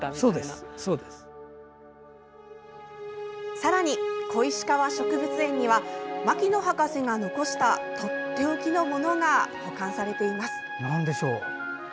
さらに、小石川植物園には牧野博士が残したとっておきのものが保管されています。